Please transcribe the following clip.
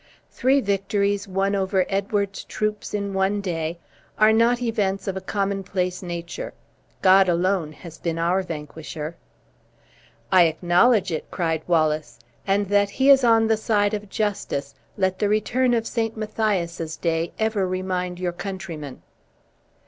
Three victories, won over Edward's troops in one day, are not events of a commonplace nature. God alone has been our vanquisher." "I acknowledge it," cried Wallace; "and that He is on the side of justice, let the return of St. Matthias' Day ever remind your countrymen!"